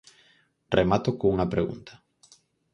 Remato cunha pregunta.